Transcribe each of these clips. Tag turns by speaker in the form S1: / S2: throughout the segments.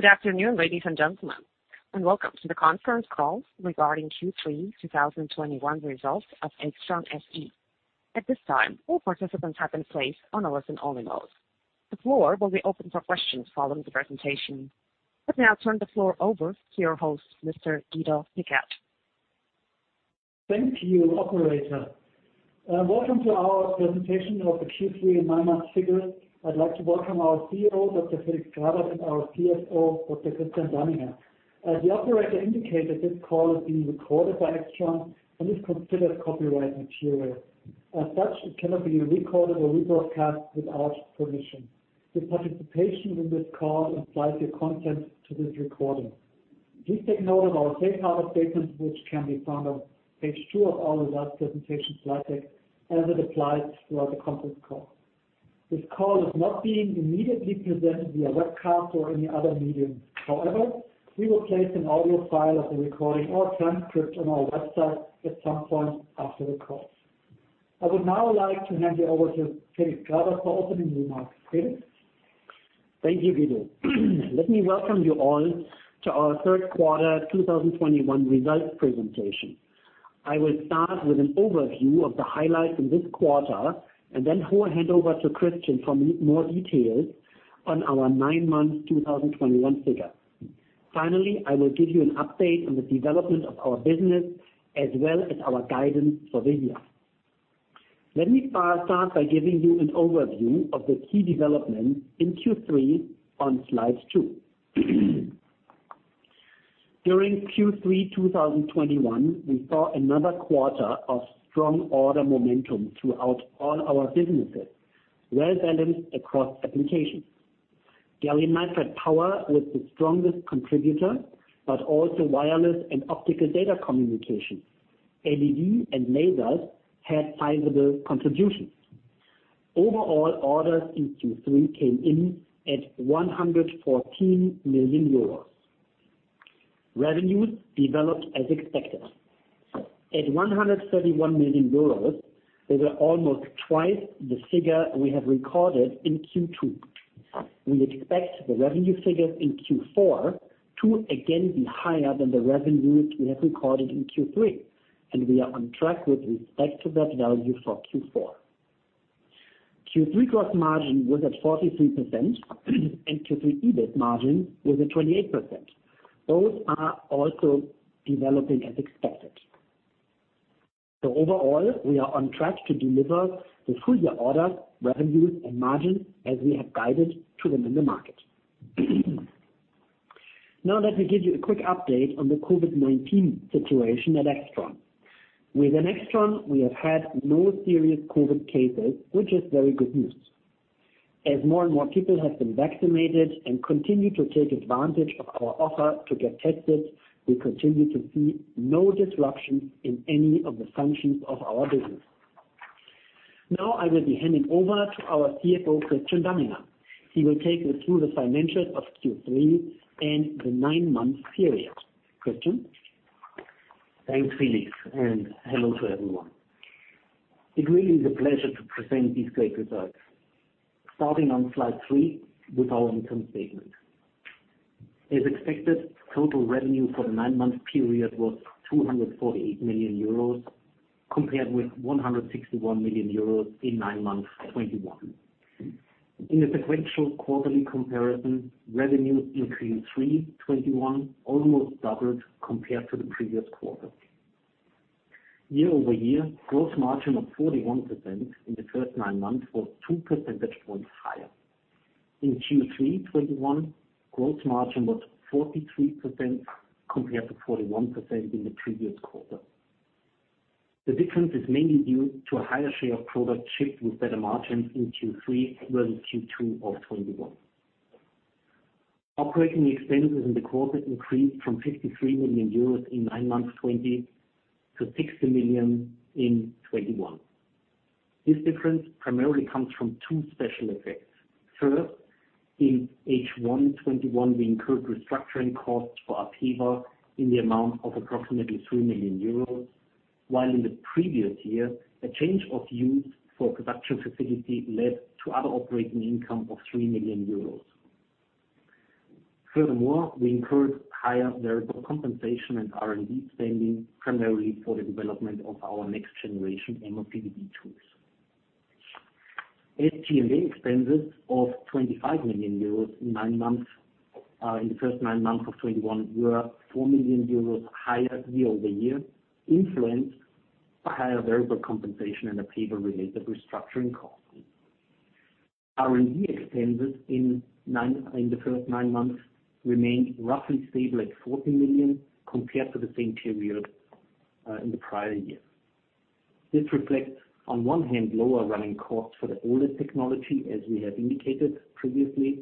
S1: Good afternoon, ladies and gentlemen, and welcome to the conference call regarding Q3 2021 results of AIXTRON SE. At this time, all participants have been placed on a listen-only mode. The floor will be open for questions following the presentation. Let's now turn the floor over to your host, Mr. Guido Pickert.
S2: Thank you, operator. Welcome to our presentation of Q3 and nine-month figures. I'd like to welcome our CEO, Dr. Felix Grawert, and our CFO, Dr. Christian Danninger. As the operator indicated, this call is being recorded by AIXTRON and is considered copyright material. As such, it cannot be recorded or rebroadcast without permission. Your participation in this call implies your consent to this recording. Please take note of our safe harbor statement, which can be found on page two of our live presentation slide deck, as it applies throughout the conference call. This call is not being immediately presented via webcast or any other medium. However, we will place an audio file of the recording or transcript on our website at some point after the call. I would now like to hand you over to Felix Grawert for opening remarks. Felix?
S3: Thank you, Guido. Let me welcome you all to our third quarter 2021 results presentation. I will start with an overview of the highlights in this quarter, and then I will hand over to Christian for more details on our nine-month 2021 figures. Finally, I will give you an update on the development of our business as well as our guidance for the year. Let me start by giving you an overview of the key developments in Q3 on slide two. During Q3 2021, we saw another quarter of strong order momentum throughout all our businesses, well-balanced across applications. Gallium nitride power was the strongest contributor, but also wireless and optical data communication. LED and lasers had sizable contributions. Overall, orders in Q3 came in at 114 million euros. Revenues developed as expected. At 131 million euros, they were almost twice the figure we have recorded in Q2. We expect the revenue figures in Q4 to again be higher than the revenues we have recorded in Q3, and we are on track with respect to that value for Q4. Q3 gross margin was at 43%, and Q3 EBIT margin was at 28%. Those are also developing as expected. Overall, we are on track to deliver the full year orders, revenues, and margin as we have guided to them in the market. Now let me give you a quick update on the COVID-19 situation at AIXTRON. Within AIXTRON, we have had no serious COVID cases, which is very good news. As more and more people have been vaccinated and continue to take advantage of our offer to get tested, we continue to see no disruption in any of the functions of our business. Now I will be handing over to our CFO, Christian Danninger. He will take you through the financials of Q3 and the nine-month period. Christian?
S4: Thanks, Felix, and hello to everyone. It really is a pleasure to present these great results. Starting on slide three with our income statement. As expected, total revenue for the nine-month period was 248 million euros, compared with 161 million euros in nine months 2021. In a sequential quarterly comparison, revenue in Q3 2021 almost doubled compared to the previous quarter. Year-over-year, gross margin of 41% in the first nine months was two percentage points higher. In Q3 2021, gross margin was 43% compared to 41% in the previous quarter. The difference is mainly due to a higher share of products shipped with better margins in Q3 rather than Q2 of 2021. Operating expenses in the quarter increased from 53 million euros in nine months 2020 to 60 million in 2021. This difference primarily comes from two special effects. First, in H1 2021, we incurred restructuring costs for APEVA in the amount of approximately 3 million euros, while in the previous year, a change of use for a production facility led to other operating income of 3 million euros. Furthermore, we incurred higher variable compensation and R&D spending, primarily for the development of our next generation MOCVD tools. SG&A expenses of 25 million euros in the first nine months of 2021 were 4 million euros higher year-over-year, influenced by higher variable compensation and APEVA-related restructuring costs. R&D expenses in the first nine months remained roughly stable at 40 million compared to the same period in the prior year. This reflects, on one hand, lower running costs for the older technology, as we have indicated previously,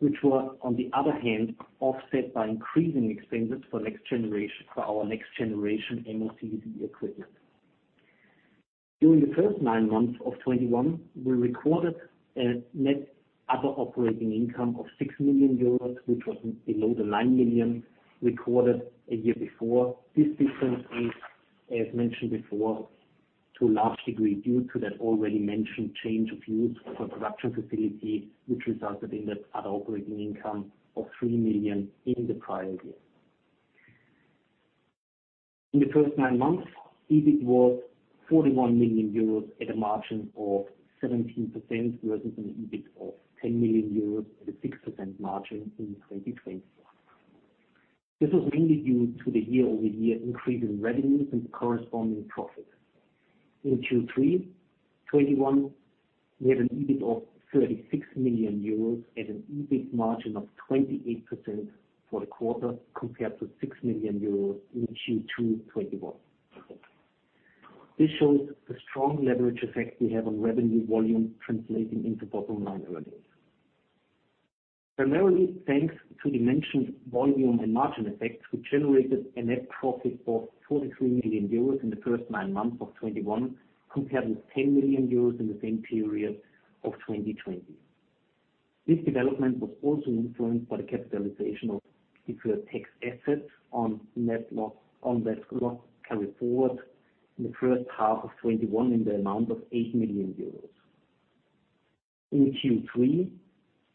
S4: which were, on the other hand, offset by increasing expenses for our next generation MOCVD equipment. During the first nine months of 2021, we recorded a net other operating income of 6 million euros, which was below the 9 million recorded a year before. This difference is, as mentioned before, to a large degree due to that already mentioned change of use for production facility which resulted in that other operating income of 3 million in the prior year. In the first nine months, EBIT was 41 million euros at a margin of 17%, versus an EBIT of 10 million euros at a 6% margin in 2020. This was mainly due to the year-over-year increase in revenues and corresponding profits. In Q3 2021, we had an EBIT of 36 million euros at an EBIT margin of 28% for the quarter, compared to 6 million euros in Q2 2021. This shows the strong leverage effect we have on revenue volume translating into bottom line earnings. Primarily thanks to the mentioned volume and margin effects, we generated a net profit of 43 million euros in the first nine months of 2021, compared with 10 million euros in the same period of 2020. This development was also influenced by the capitalization of deferred tax assets on net loss, on net loss carried forward in the first half of 2021 in the amount of 8 million euros. In Q3,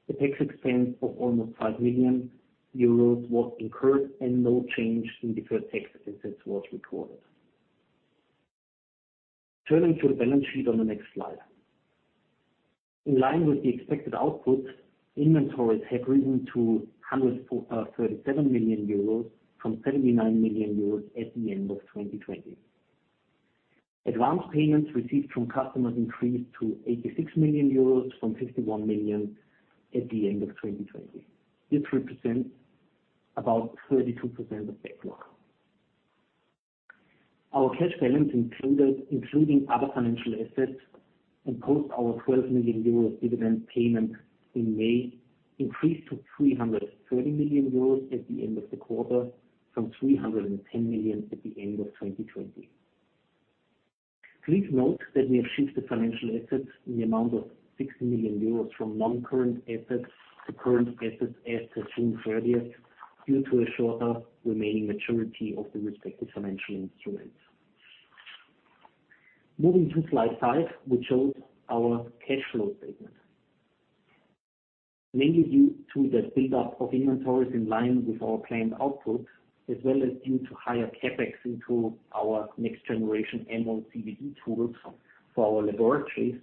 S4: the tax expense for almost 5 million euros was incurred and no change in deferred tax assets was recorded. Turning to the balance sheet on the next slide. In line with the expected output, inventories have risen to 147 million euros from 79 million euros at the end of 2020. Advance payments received from customers increased to 86 million euros from 51 million at the end of 2020. This represents about 32% of backlog. Our cash balance, including other financial assets and post our 12 million euros dividend payment in May, increased to 330 million euros at the end of the quarter from 310 million at the end of 2020. Please note that we have shifted financial assets in the amount of 60 million euros from non-current assets to current assets as at June 30th, due to a shorter remaining maturity of the respective financial instruments. Moving to slide five, which shows our cash flow statement, mainly due to the build-up of inventories in line with our planned output, as well as due to higher CapEx into our next generation MOCVD tools for our laboratories.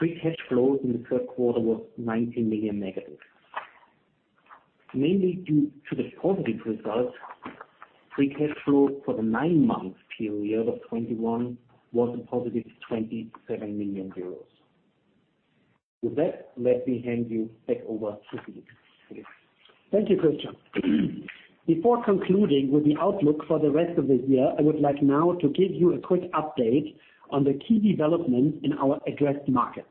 S4: Free cash flow in the third quarter was negative 19 million. Mainly due to the positive results, free cash flow for the nine-month period of 2021 was a positive 27 million euros. With that, let me hand you back over to Steve, please.
S3: Thank you, Christian. Before concluding with the outlook for the rest of the year, I would like now to give you a quick update on the key developments in our addressed markets.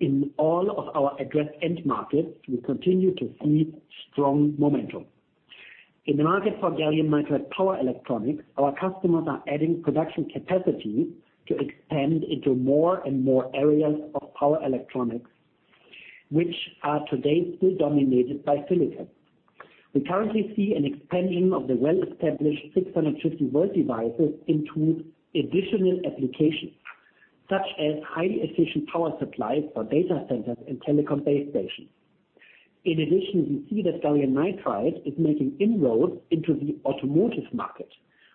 S3: In all of our addressed end markets, we continue to see strong momentum. In the market for gallium nitride power electronics, our customers are adding production capacity to expand into more and more areas of power electronics, which are today still dominated by silicon. We currently see an expansion of the well-established 650-volt devices into additional applications, such as highly efficient power supplies for data centers and telecom base stations. In addition, we see that gallium nitride is making inroads into the automotive market,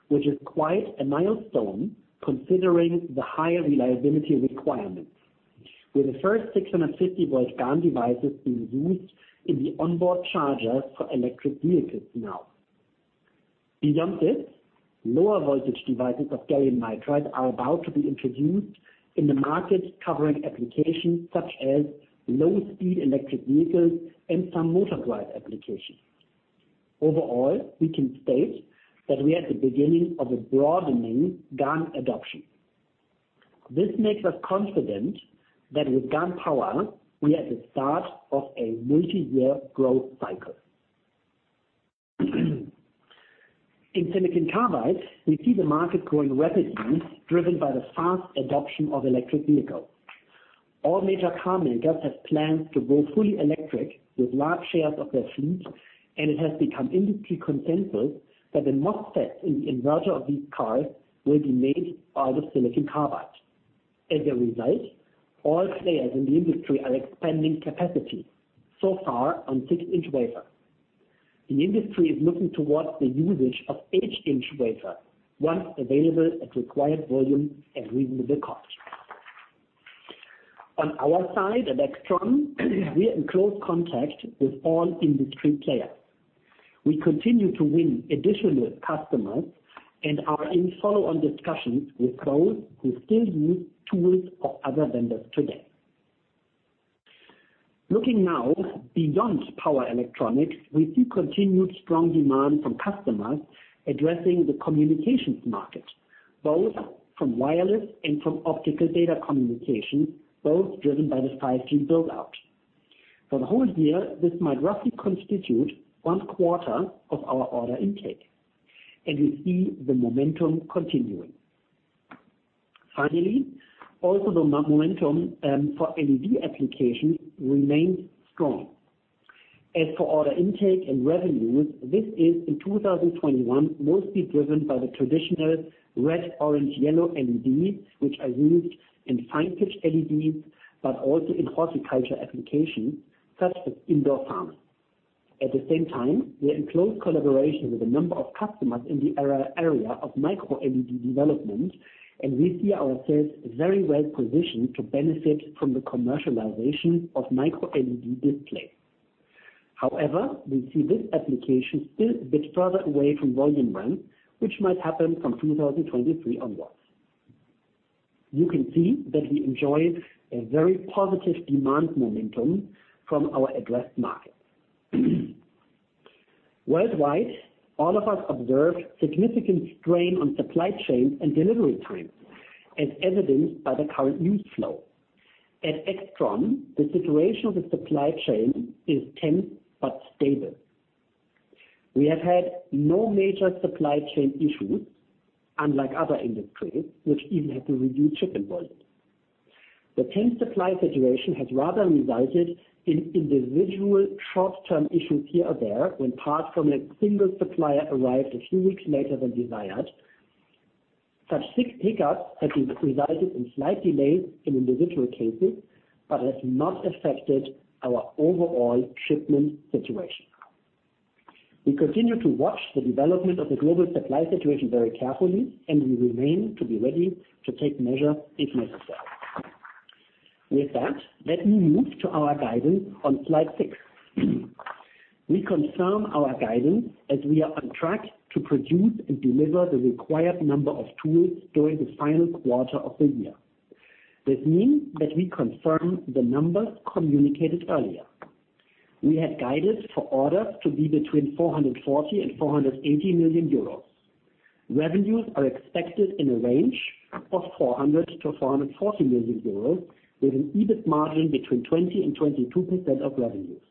S3: which is quite a milestone considering the higher reliability requirements. With the first 650-volt GaN devices being used in the onboard chargers for electric vehicles now. Beyond this, lower voltage devices of gallium nitride are about to be introduced in the market, covering applications such as low speed electric vehicles and some motor drive applications. Overall, we can state that we are at the beginning of a broadening GaN adoption. This makes us confident that with GaN power, we are at the start of a multi-year growth cycle. In silicon carbide, we see the market growing rapidly, driven by the fast adoption of electric vehicles. All major car makers have plans to go fully electric with large shares of their fleet, and it has become industry consensus that the MOSFETs in the inverter of these cars will be made out of silicon carbide. As a result, all players in the industry are expanding capacity, so far on six-inch wafer. The industry is looking towards the usage of eight-inch wafer, once available at required volume and reasonable cost. On our side at AIXTRON, we are in close contact with all industry players. We continue to win additional customers and are in follow-on discussions with those who still use tools of other vendors today. Looking now beyond power electronics, we see continued strong demand from customers addressing the communications market, both from wireless and from optical data communication, both driven by the 5G build-out. For the whole year, this might roughly constitute one quarter of our order intake, and we see the momentum continuing. Finally, also the momentum for LED application remains strong. As for order intake and revenues, this is in 2021, mostly driven by the traditional red, orange, yellow LEDs, which are used in fine-pitch LEDs, but also in horticulture applications such as indoor farming. At the same time, we are in close collaboration with a number of customers in the area of Micro LED development, and we see ourselves very well positioned to benefit from the commercialization of Micro LED display. However, we see this application still a bit further away from volume run, which might happen from 2023 onwards. You can see that we enjoy a very positive demand momentum from our addressed market. Worldwide, all of us observe significant strain on supply chains and delivery times, as evidenced by the current news flow. At AIXTRON, the situation of the supply chain is tense but stable. We have had no major supply chain issues, unlike other industries which even had to reduce shipment volumes. The tense supply situation has rather resulted in individual short-term issues here or there when parts from a single supplier arrived a few weeks later than desired. Such hiccups have resulted in slight delays in individual cases, but has not affected our overall shipment situation. We continue to watch the development of the global supply situation very carefully, and we remain to be ready to take measure if necessary. With that, let me move to our guidance on slide six. We confirm our guidance as we are on track to produce and deliver the required number of tools during the final quarter of the year. This means that we confirm the numbers communicated earlier. We had guided for orders to be between 440 million and 480 million euros. Revenues are expected in a range of 400 million to 440 million euros, with an EBIT margin between 20% to 22% of revenues.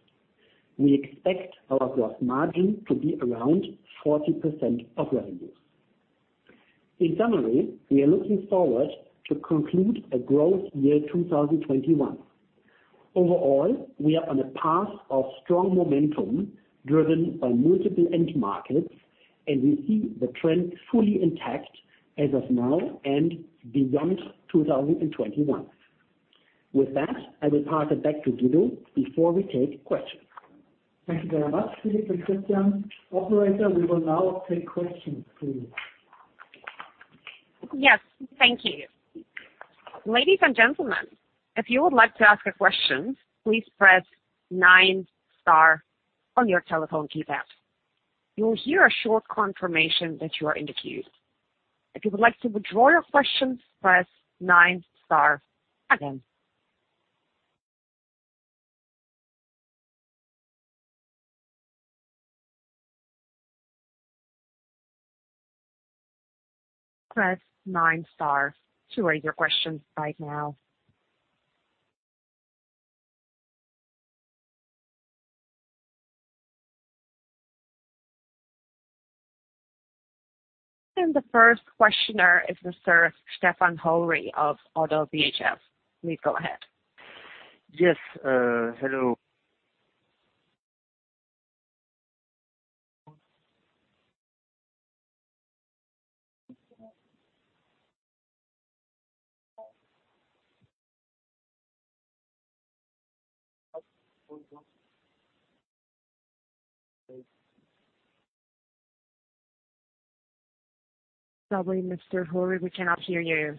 S3: We expect our gross margin to be around 40% of revenues. In summary, we are looking forward to conclude a growth year 2021. Overall, we are on a path of strong momentum driven by multiple end markets, and we see the trend fully intact as of now and beyond 2021. With that, I will pass it back to Guido before we take questions.
S2: Thank you very much, Felix and Christian. Operator, we will now take questions, please.
S1: The first questioner is Mr. Stefan Horvi of ODDO BHF. Please go ahead.
S5: Yes, hello.
S1: Sorry, Mr. Horvi, we cannot hear you.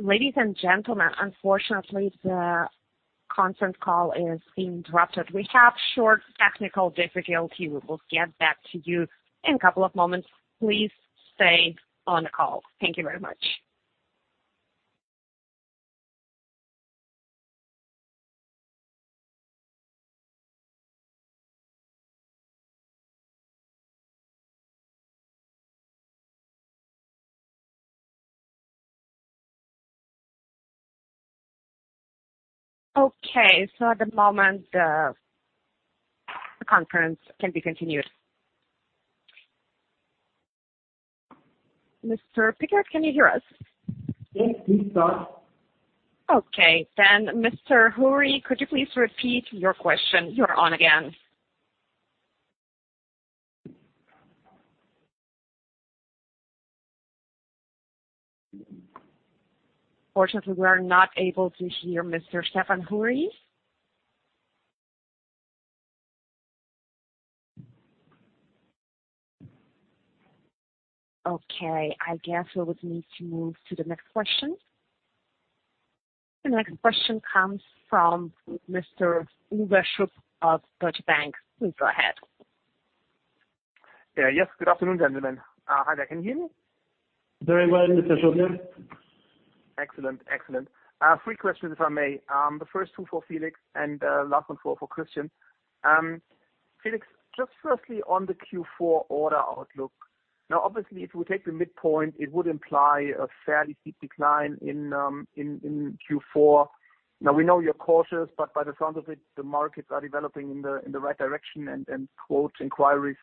S1: Ladies and gentlemen, unfortunately, the conference call is interrupted. We have short technical difficulty. We will get back to you in a couple of moments. Please stay on the call. Thank you very much. Okay, at the moment, the conference can be continued. Mr. Pickert, can you hear us?
S2: Yes, please go on.
S1: Okay. Mr. Horvi, could you please repeat your question? You're on again. Unfortunately, we are not able to hear Mr. Stefan Horvi. Okay. I guess we would need to move to the next question. The next question comes from Mr. Uwe Schupp of Deutsche Bank. Please go ahead.
S6: Yeah. Yes. Good afternoon, gentlemen. Hi there. Can you hear me?
S3: Very well, Mr. Schupp. Yes.
S6: Excellent. Three questions, if I may. The first two for Felix and last one for Christian. Felix, just firstly on the Q4 order outlook. Now, obviously if we take the midpoint, it would imply a fairly steep decline in Q4. Now we know you're cautious, but by the sounds of it, the markets are developing in the right direction and quote inquiries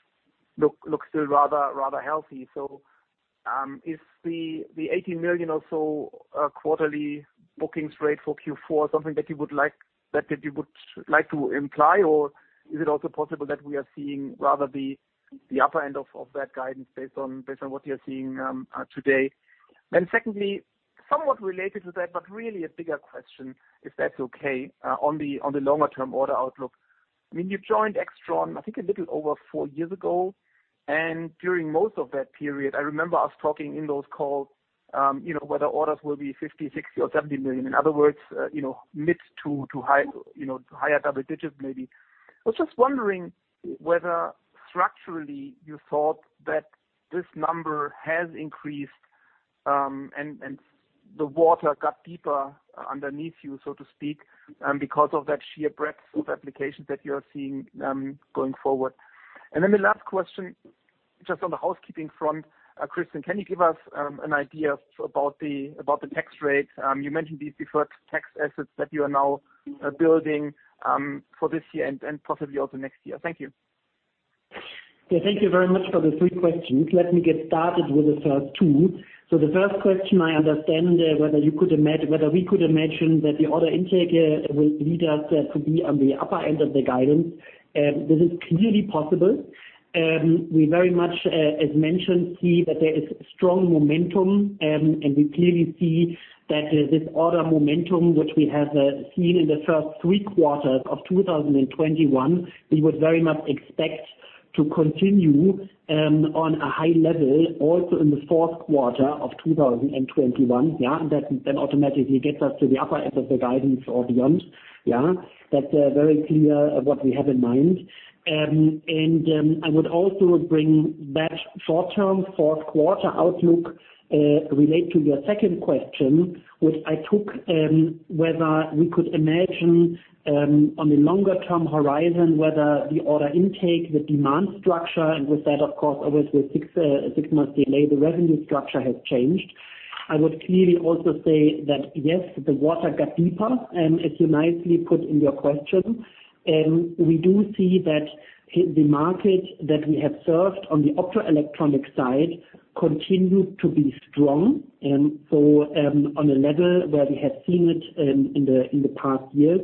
S6: look still rather healthy. Is the 80 million or so quarterly booking rate for Q4 something that you would like to imply? Or is it also possible that we are seeing rather the upper end of that guidance based on what you're seeing today? Secondly, somewhat related to that, but really a bigger question, if that's okay, on the longer term order outlook. I mean, you've joined AIXTRON, I think a little over four years ago, and during most of that period, I remember us talking in those calls, you know, whether orders will be 50 million, 60 million or 70 million. In other words, you know, mid to high, you know, higher double-digits maybe. I was just wondering whether structurally you thought that this number has increased, and the water got deeper underneath you, so to speak, because of that sheer breadth of applications that you're seeing, going forward? The last question, just on the housekeeping front, Christian, can you give us an idea about the tax rate? You mentioned these deferred tax assets that you are now building for this year and possibly also next year. Thank you.
S3: Yeah, thank you very much for the three questions. Let me get started with the first two. The first question, I understand, whether we could imagine that the order intake will lead us to be on the upper end of the guidance. This is clearly possible. We very much, as mentioned, see that there is strong momentum, and we clearly see that this order momentum, which we have seen in the first three quarters of 2021, we would very much expect to continue on a high level also in the fourth quarter of 2021. Yeah. That then automatically gets us to the upper end of the guidance or beyond. Yeah. That's very clear of what we have in mind. I would also bring that short-term fourth quarter outlook to relate to your second question, which I took whether we could imagine on the longer term horizon whether the order intake, the demand structure, and with that of course always with six months delay, the revenue structure has changed. I would clearly also say that, yes, the water got deeper, as you nicely put in your question. We do see that the market that we have served on the optoelectronic side continued to be strong, so on a level where we have seen it in the past years.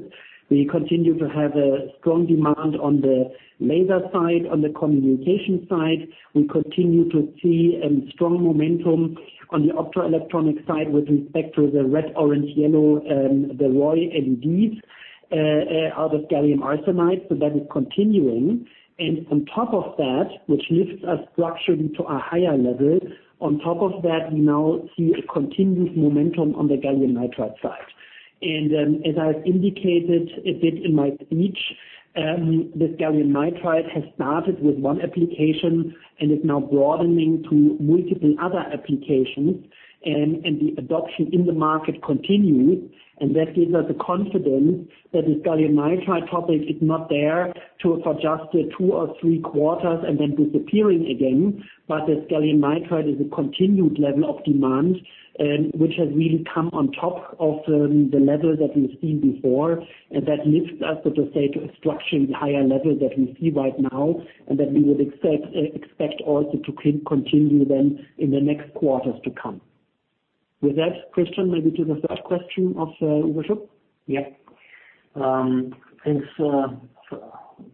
S3: We continue to have a strong demand on the laser side. On the communication side, we continue to see strong momentum. On the optoelectronic side with respect to the red, orange, yellow, the ROY LEDs out of gallium arsenide, so that is continuing. On top of that, which lifts us structurally to a higher level, on top of that, we now see a continued momentum on the gallium nitride side. As I've indicated a bit in my speech, this gallium nitride has started with one application and is now broadening to multiple other applications. The adoption in the market continues, and that gives us the confidence that the gallium nitride topic is not there for just two or three quarters and then disappearing again. The gallium nitride is a continued level of demand, which has really come on top of the level that we've seen before. That lifts us, so to say, to a structurally higher level that we see right now, and that we would expect also to continue then in the next quarters to come. With that, Christian, maybe to the third question of Uwe Schupp?
S4: Yeah. Thanks for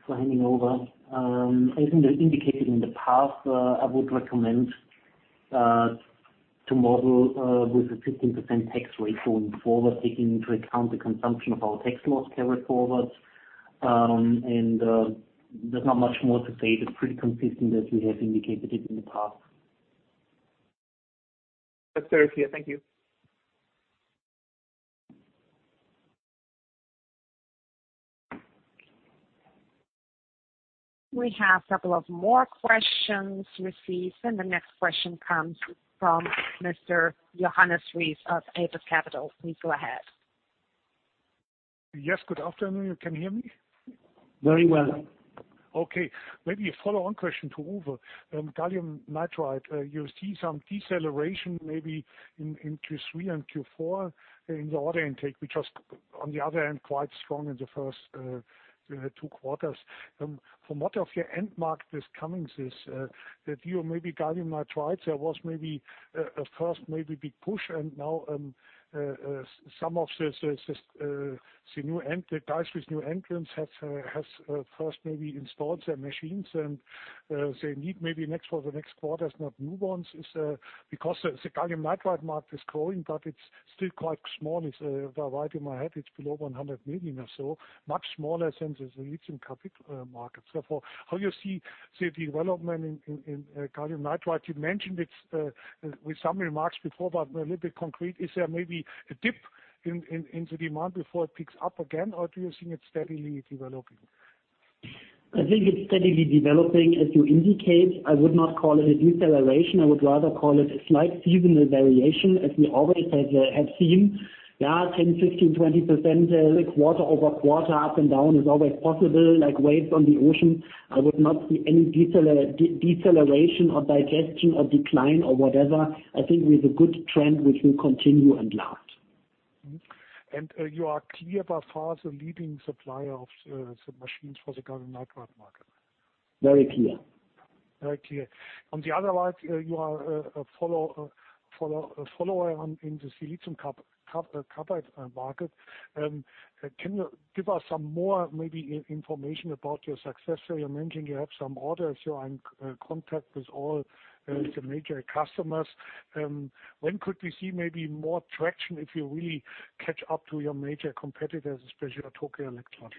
S4: handing over. As indicated in the past, I would recommend to model with a 15% tax rate going forward, taking into account the consumption of our tax loss carryforwards. There's not much more to say. That's pretty consistent as we have indicated it in the past.
S6: That's very clear. Thank you.
S1: We have a couple of more questions received, and the next question comes from Mr. Johannes Rees of Aperios Capital. Please go ahead.
S7: Yes, good afternoon. You can hear me?
S3: Very well.
S7: Maybe a follow-on question to Uwe. Gallium nitride, you see some deceleration maybe in Q3 and Q4 in the order intake, which was on the other end quite strong in the first two quarters. From what end market is this coming, the view of maybe gallium nitride, there was maybe a first big push and now some of the new entrants has first installed their machines and they need maybe not for the next quarters new ones. Because the gallium nitride market is growing, but it's still quite small. It's below 100 million or so, much smaller than the recent SiC markets. Therefore, how you see the development in gallium nitride? You mentioned it's with some remarks before, but a little bit concrete. Is there maybe a dip in the demand before it picks up again, or do you think it's steadily developing?
S3: I think it's steadily developing as you indicate. I would not call it a deceleration. I would rather call it a slight seasonal variation, as we always have seen. Yeah, 10, 15, 20%, like quarter-over-quarter up and down is always possible, like waves on the ocean. I would not see any deceleration or digestion or decline or whatever. I think we have a good trend which will continue and last.
S7: Mm-hmm. You are clear by far the leading supplier of the machines for the gallium nitride market?
S3: Very clear.
S7: Very clear. On the other side, you are a follower in the silicon carbide market. Can you give us some more maybe information about your success? You are mentioning you have some orders, you are in contact with all the major customers. When could we see maybe more traction if you really catch up to your major competitors, especially Tokyo Electron?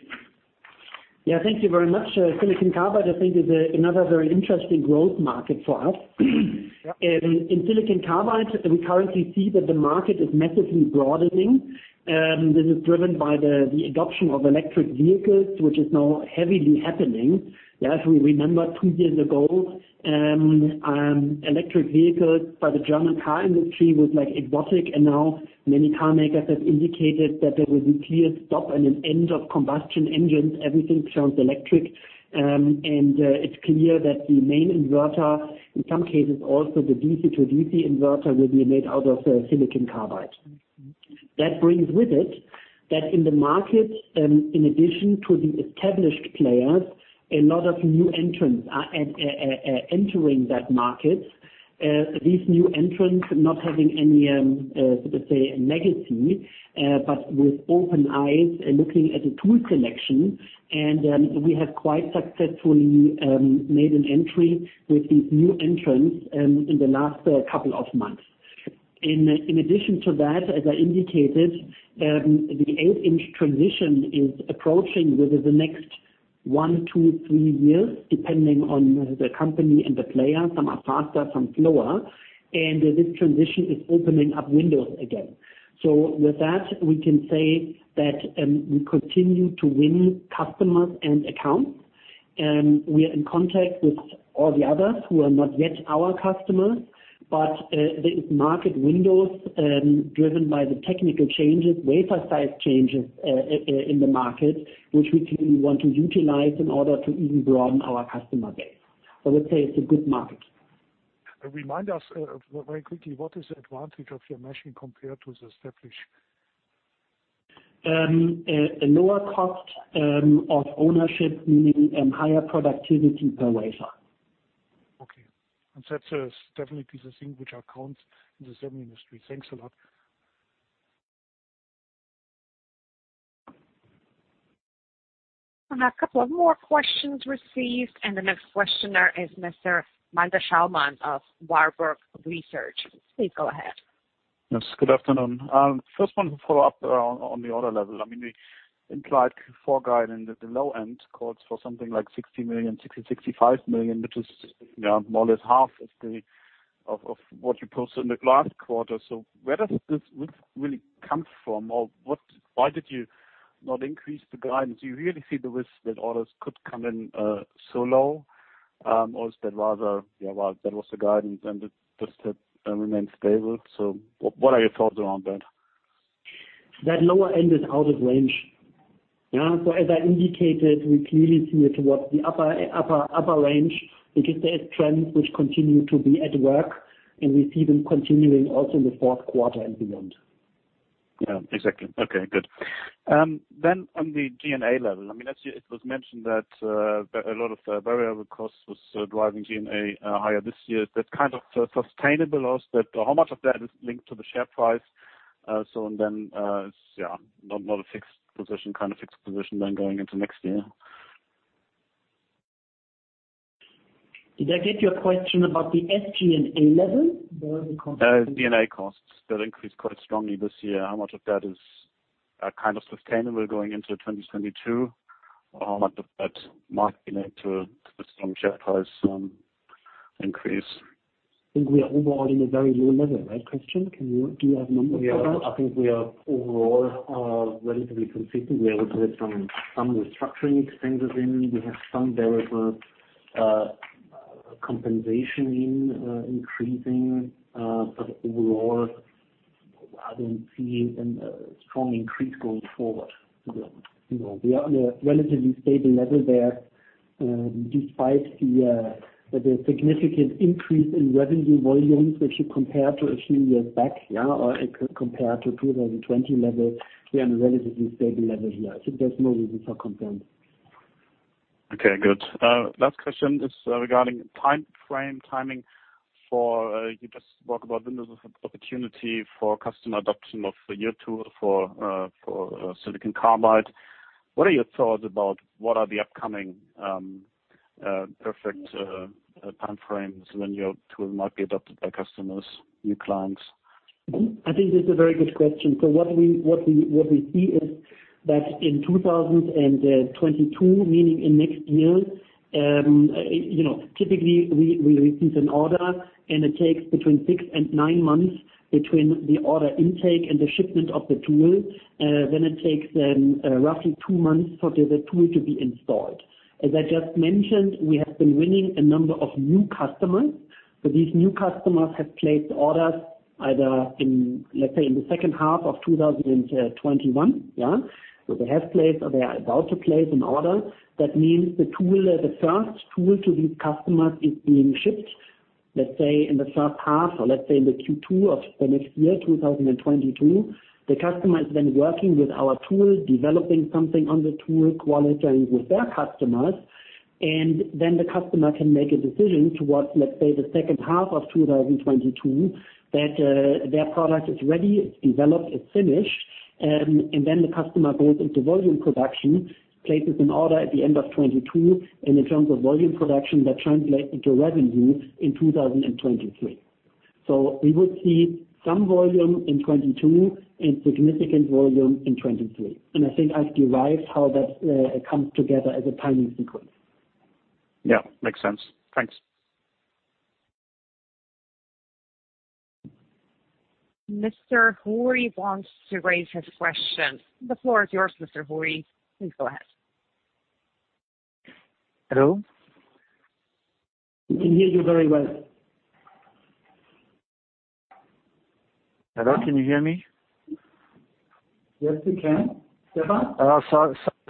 S3: Yeah, thank you very much. Silicon carbide I think is another very interesting growth market for us. In silicon carbide, we currently see that the market is massively broadening. This is driven by the adoption of electric vehicles, which is now heavily happening. As we remember two years ago, electric vehicles by the German car industry was like exotic, and now many car makers have indicated that there will be clear stop and an end of combustion engines. Everything turns electric. It's clear that the main inverter, in some cases also the DC to DC inverter, will be made out of silicon carbide. That brings with it that in the market, in addition to the established players, a lot of new entrants are entering that market. These new entrants not having any, let's say a legacy, but with open eyes looking at a tool selection. We have quite successfully made an entry with these new entrants in the last couple of months. In addition to that, as I indicated, the eight-inch transition is approaching within the next one to three years, depending on the company and the player. Some are faster, some slower. This transition is opening up windows again. With that, we can say that we continue to win customers and accounts. We are in contact with all the others who are not yet our customers. There is market windows driven by the technical changes, wafer size changes in the market, which we clearly want to utilize in order to even broaden our customer base. We say it's a good market.
S7: Remind us, very quickly, what is the advantage of your machine compared to the established?
S3: a lower cost of ownership, meaning higher productivity per wafer.
S7: Okay. It's definitely a thing which occurs in the semi industry. Thanks a lot.
S1: A couple of more questions received, and the next questioner is Mr. Malte Schaumann of Warburg Research. Please go ahead.
S8: Yes, good afternoon. First one to follow up on the order level. I mean, the implied forward guidance in the low end calls for something like 60 million to 65 million, which is, you know, more or less half of what you posted in the last quarter. Where does this really come from? Or what why did you not increase the guidance? Do you really see the risk that orders could come in so low, or is that rather, yeah, well, that was the guidance and it just remains stable. What are your thoughts around that?
S3: That lower end is out of range. Yeah. As I indicated, we clearly see it towards the upper range because there is trends which continue to be at work, and we see them continuing also in the fourth quarter and beyond.
S8: Yeah, exactly. Okay, good. On the SG&A level, I mean, it was mentioned that a lot of variable costs was driving SG&A higher this year. That's kind of sustainable as that. How much of that is linked to the share price, so and then, it's not a fixed position, kind of fixed position going into next year?
S3: Did I get your question about the SG&A level or the cost?
S8: SG&A costs that increased quite strongly this year. How much of that is kind of sustainable going into 2022? How much of that might be linked to the strong share price increase?
S3: I think we are overall in a very low-level, right, Christian? Do you have numbers for that?
S4: Yeah. I think we are overall relatively consistent. We have put some restructuring expenses in. We have some variable compensation in increasing. Overall, I don't see a strong increase going forward.
S3: No. We are on a relatively stable level there, despite the significant increase in revenue volumes, which you compare to a few years back, yeah, or compared to 2020 levels. We are on a relatively stable level here. I think there's no reason for concern.
S8: Okay, good. Last question is regarding timeframe, timing for you just spoke about windows of opportunity for customer adoption of your tool for silicon carbide. What are your thoughts about the upcoming perfect timeframes when your tool might be adopted by customers, new clients?
S3: I think that's a very good question. What we see is that in 2022, meaning next year, you know, typically we receive an order and it takes between six and nine months between the order intake and the shipment of the tool. Then it takes them roughly two months for the tool to be installed. As I just mentioned, we have been winning a number of new customers. These new customers have placed orders either in, let's say, in the second half of 2021, yeah. They have placed or they are about to place an order. That means the tool, the first tool to these customers is being shipped, let's say, in the first half or let's say in Q2 of next year, 2022. The customer is then working with our tool, developing something on the tool, qualifying with their customers, and then the customer can make a decision towards, let's say, the second half of 2022, that their product is ready, it's developed, it's finished. The customer goes into volume production, places an order at the end of 2022. In terms of volume production, that translates into revenue in 2023. We would see some volume in 2022 and significant volume in 2023. I think I've derived how that comes together as a timing sequence.
S8: Yeah, makes sense. Thanks.
S1: Mr. Horvi wants to raise his question. The floor is yours, Mr. Horvi. Please go ahead.
S5: Hello?
S3: We can hear you very well.
S5: Hello, can you hear me?
S3: Yes, we can. Stefan?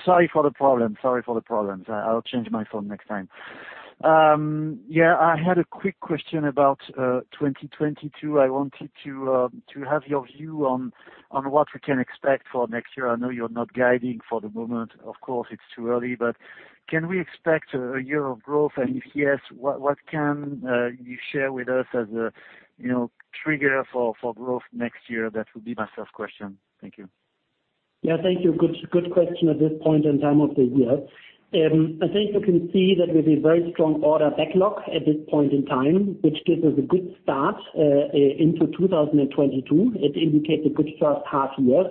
S5: Sorry for the problems. I'll change my phone next time. Yeah, I had a quick question about 2022. I wanted to have your view on what we can expect for next year. I know you're not guiding for the moment. Of course, it's too early. Can we expect a year of growth? If yes, what can you share with us as a you know trigger for growth next year? That would be my first question. Thank you.
S3: Yeah, thank you. Good question at this point in time of the year. I think you can see that with a very strong order backlog at this point in time, which gives us a good start into 2022. It indicates a good first half year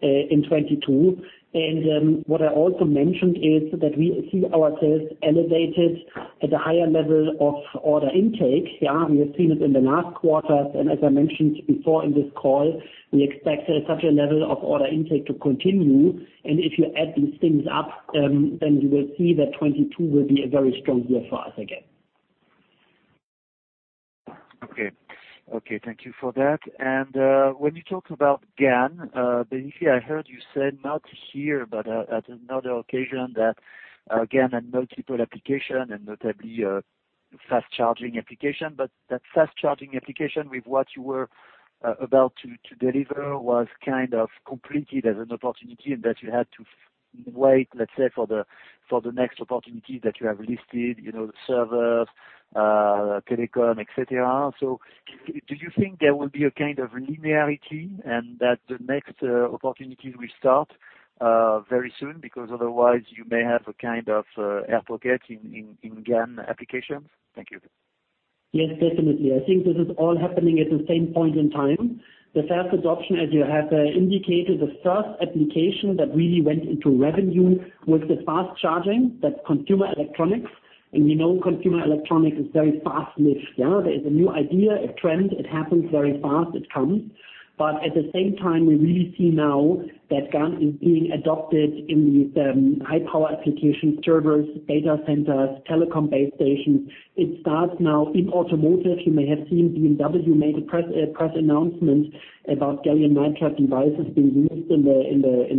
S3: in 2022. What I also mentioned is that we see ourselves elevated at a higher level of order intake. Yeah, we have seen it in the last quarter. As I mentioned before in this call, we expect such a level of order intake to continue. If you add these things up, then you will see that 2022 will be a very strong year for us again.
S5: Okay. Okay, thank you for that. When you talk about GaN, basically I heard you said not here, but at another occasion that GaN had multiple applications and notably fast charging applications. That fast charging application with what you were about to deliver was kind of completed as an opportunity and that you had to wait, let's say, for the next opportunity that you have listed, you know, the servers, telecom, et cetera. Do you think there will be a kind of linearity and that the next opportunity will start very soon? Because otherwise you may have a kind of air pocket in GaN applications. Thank you.
S3: Yes, definitely. I think this is all happening at the same point in time. The fast adoption, as you have indicated, the first application that really went into revenue was the fast charging, that's consumer electronics. We know consumer electronics is very fast-lived. Yeah, there is a new idea, a trend. It happens very fast, it comes. At the same time, we really see now that GaN is being adopted in these high power applications, servers, data centers, telecom base stations. It starts now in automotive. You may have seen BMW made a press announcement about gallium nitride devices being used in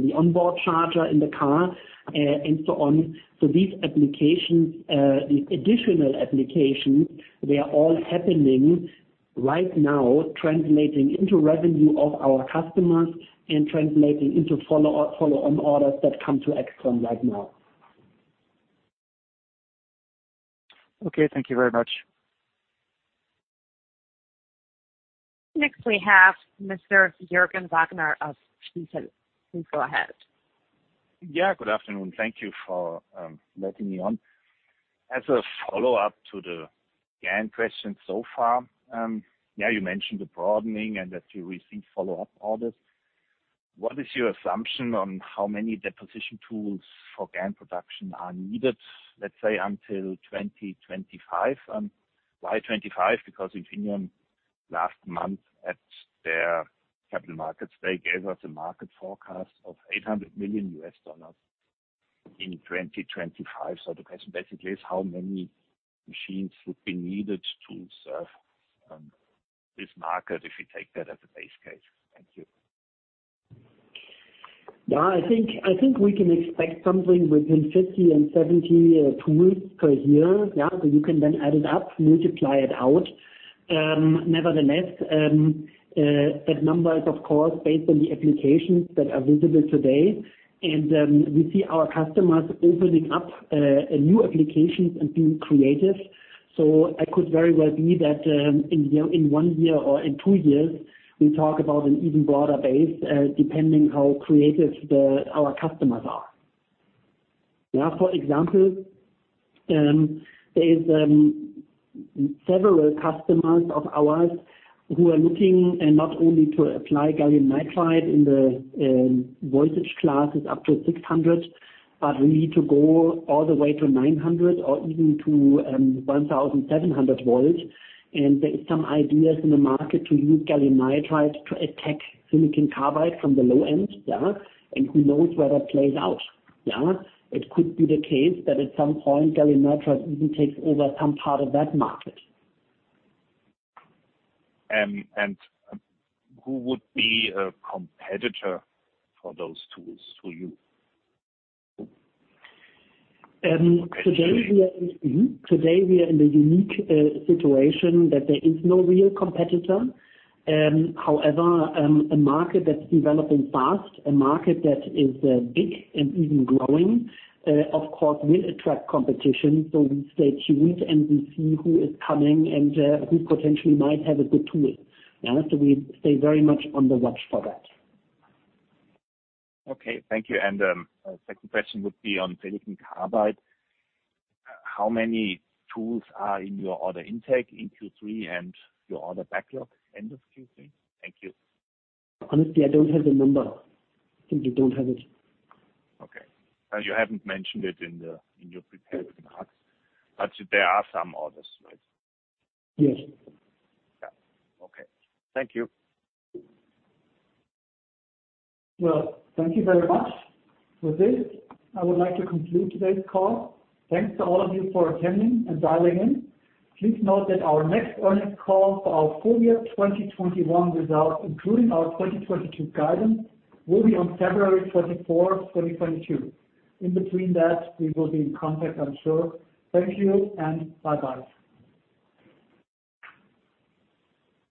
S3: the onboard charger in the car, and so on. These additional applications, they are all happening right now, translating into revenue of our customers and translating into follow-on orders that come to AIXTRON right now.
S5: Okay, thank you very much.
S1: Next we have Mr. Jürgen Wagner of Stifel. Please go ahead.
S9: Yeah, good afternoon. Thank you for letting me on. As a follow-up to the GaN question so far, yeah you mentioned the broadening and that you received follow-up orders. What is your assumption on how many deposition tools for GaN production are needed, let's say until 2025? Why 2025? Because Infineon last month at their capital markets day gave us a market forecast of $800 million in 2025. So the question basically is how many machines would be needed to serve this market if you take that as a base case? Thank you.
S3: Yeah, I think we can expect something within 50 to 70 tools per year. Yeah, so you can then add it up, multiply it out. Nevertheless, that number is of course based on the applications that are visible today. We see our customers opening up new applications and being creative. It could very well be that in one year or in two years, we talk about an even broader base depending how creative our customers are. Yeah. For example, there is several customers of ours who are looking and not only to apply gallium nitride in the voltage classes up to 600, but we need to go all the way to 900 or even to 1,700 volts. There is some ideas in the market to use gallium nitride to attack silicon carbide from the low end, yeah. Who knows where that plays out, yeah? It could be the case that at some point, gallium nitride even takes over some part of that market.
S9: Who would be a competitor for those tools to you?
S3: Today we are...
S9: Excuse me.
S3: Today we are in the unique situation that there is no real competitor. However, a market that's developing fast, a market that is big and even growing of course will attract competition. We stay tuned and we see who is coming and who potentially might have a good tool. We stay very much on the watch for that.
S9: Okay. Thank you. A second question would be on silicon carbide. How many tools are in your order intake in Q3 and your order backlog end of Q3? Thank you.
S3: Honestly, I don't have the number. Tim, you don't have it?
S9: Okay. You haven't mentioned it in your prepared remarks. There are some orders, right?
S3: Yes.
S9: Yeah. Okay. Thank you.
S3: Well, thank you very much. With this, I would like to conclude today's call. Thanks to all of you for attending and dialing in. Please note that our next earnings call for our full year 2021 results, including our 2022 guidance, will be on February 24, 2022. In between that, we will be in contact, I'm sure. Thank you and bye-bye.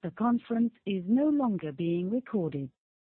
S4: The conference is no longer being recorded.